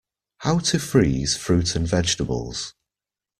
How to freeze fruit and vegetables.